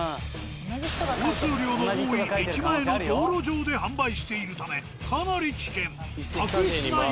交通量の多い駅前の道路上で販売しているためかなり危険。